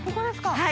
はい。